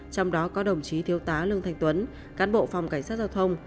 trong đó có đồng chí thiếu tá lương thanh tuấn cán bộ phòng cảnh sát giao thông